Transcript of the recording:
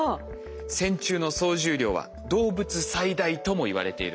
線虫の総重量は動物最大ともいわれているんです。